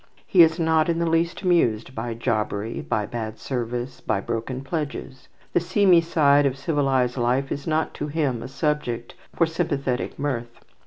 He is not in the least amused by jobbery, by bad service, by broken pledges. The seamy side of civilized life is not to him a subject for sympathetic mirth.